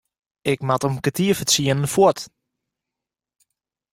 Ik moat om kertier foar tsienen fuort.